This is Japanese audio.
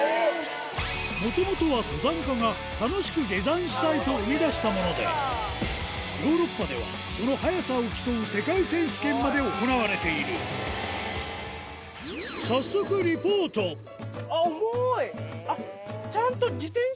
もともとは登山家が楽しく下山したいと生み出したものでヨーロッパではその速さを競う世界選手権まで行われているえっ！